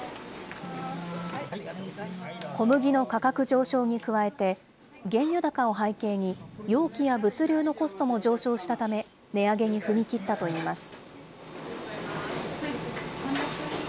小麦の価格上昇に加えて、原油高を背景に、容器や物流のコストも上昇したため、値上げに踏み切ったといいます。